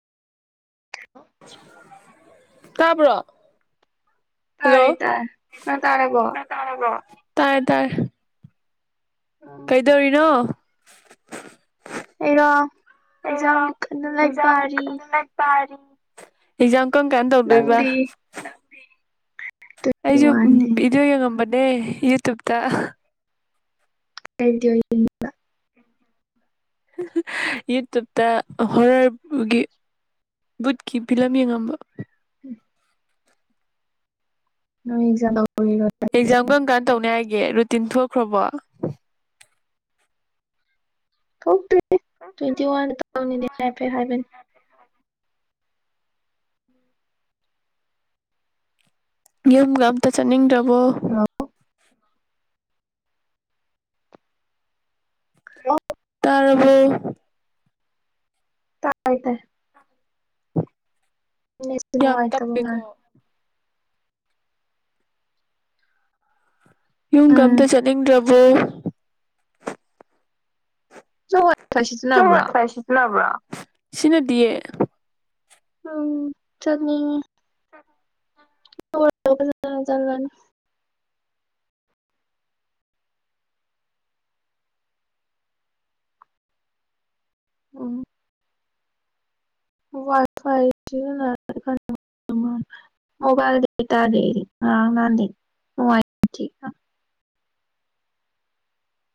ꯇꯥꯕ꯭ꯔꯣ ꯍꯂꯣ ꯇꯥꯔꯦ ꯇꯥꯔꯦ ꯅꯪ ꯇꯥꯔꯕꯣ ꯅꯪ ꯇꯥꯔꯕꯣ ꯇꯥꯔꯦ ꯇꯥꯔꯦ ꯎꯝ ꯀꯩꯗꯧꯔꯤꯅꯣ [unintelligible] ꯑꯩꯔꯣ ꯑꯩꯔꯣ ꯑꯦꯛꯖꯥꯝꯒꯤ ꯀꯟꯅ ꯂꯥꯢꯔꯤꯛ ꯄꯥꯔꯤ ꯑꯦꯓꯥꯝ ꯀꯔꯝ ꯀꯥꯟꯗ ꯇꯧꯗꯣꯏꯕ ꯅꯪꯗꯤ ꯇ꯭ꯋꯦꯟꯇꯤ ꯑꯩꯖꯨ ꯋꯥꯟꯗꯤ ꯕꯤꯗꯤꯑꯣ ꯌꯦꯡꯉꯝꯕꯅꯤ꯫ ꯑꯦ ꯌꯨꯇꯨꯞ ꯇ꯫ [unintelligible] ꯍꯨꯡ ꯍꯨꯡ ꯌꯨ ꯇꯨꯞ ꯇ ꯍꯣꯔ꯭ꯔ ꯃꯨꯕꯤ ꯕꯨꯠꯀꯤ ꯐꯤꯂꯝ ꯌꯦꯡꯂꯝꯕ꯫ ꯎꯝ꯫ ꯅꯨꯡꯉꯥꯏꯖꯥꯠꯂꯣ꯫ ꯑꯦꯛꯖꯥꯝ ꯀꯔꯝ ꯀꯥꯟꯗ ꯇꯧꯅꯤ ꯍꯥꯏꯒꯦ ꯔꯨꯇꯤꯟ ꯊꯣ ꯈ꯭ꯔꯕꯣ꯫ ꯈꯪꯗꯦ꯫ ꯇꯣꯏꯟꯇꯤꯋꯥꯟꯗ ꯇꯧꯅꯦꯗꯤ ꯍꯥꯏꯐꯦꯠ ꯗꯥꯏꯕꯅꯤ꯫ ꯌꯨꯝꯒ ꯑꯝꯇ ꯆꯠꯅꯤꯡꯗ꯭ꯔꯕꯣ꯫ ꯕꯣ꯫ ꯍꯜꯂꯣ [unintelligible] [unintelligible] ꯇꯥꯏꯌꯦ ꯇꯥꯏ꯫ ꯅꯦꯠꯁꯦ ꯌꯥꯝ ꯅꯨꯡꯉꯥꯏꯇꯕ ꯇꯞꯄꯦꯀꯣ ꯃꯥꯜꯂꯦ꯫ ꯌꯨꯝꯒ ꯎꯝ ꯑꯝꯇ ꯆꯠꯅꯤꯡꯗ꯭ꯔ ꯉꯦ꯫ ꯅꯪ ꯋꯥꯏ ꯐꯥꯏ ꯁꯤꯖꯤꯟꯅꯕ꯭ꯔꯣ [unintelligible] ꯁꯤꯖꯤꯟꯅꯗꯤꯌꯦ꯫ ꯎꯝ ꯆꯠꯅꯤꯡꯉꯤ꯫ ꯆꯠ [unintelligible] ꯎꯝ꯫ [unintelligible] ꯃꯣꯕꯥꯏꯜ [unintelligible]